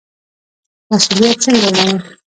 مسوولیت څنګه ومنو؟